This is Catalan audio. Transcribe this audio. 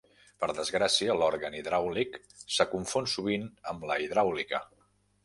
Per desgràcia, l'òrgan hidràulic se confon sovint amb la hidràulica.